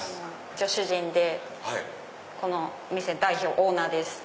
主人でこの店代表オーナーです。